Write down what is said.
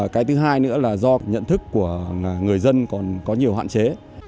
cái thứ hai nữa là do nhận thức của người dân còn có nhiều hạn chế